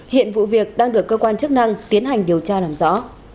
hiện vụ việc đang được cơ quan chức năng tiến hành điều tra làm rõ